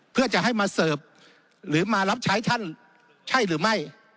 เพื่อจะให้มาเสิร์ฟหรือมารับใช้ท่านใช่หรือไม่